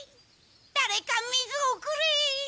だれか水をくれ！